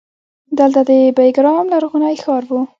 دلته د بیګرام لرغونی ښار و